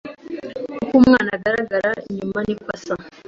Uko umwana agaragara inyuma niko asa